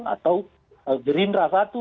atau gerindra satu